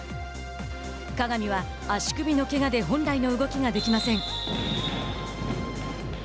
鏡は足首のけがで本来の動きができません。